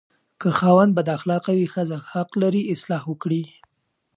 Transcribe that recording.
که خاوند بداخلاقه وي، ښځه حق لري اصلاح وکړي.